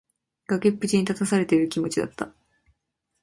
崖っぷちに立たされている気持ちだった。